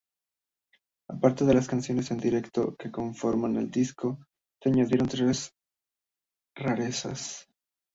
Aparte de las canciones en directo que conforman el disco, se añadieron tres rarezas.